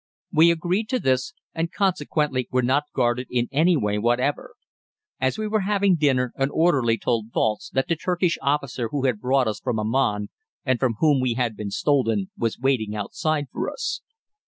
We agreed to this, and consequently were not guarded in any way whatever. As we were having dinner an orderly told Walz that the Turkish officer who had brought us from Aman, and from whom we had been stolen, was waiting outside for us.